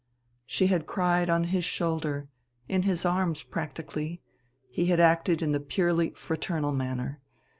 She had cried on his shoulder, in his arms, practically; he had acted in the purely fraternal manner.